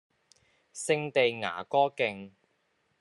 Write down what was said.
聖地牙哥徑